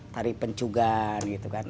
tari pencugan gitu kan